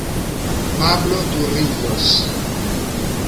Pablo Torrijos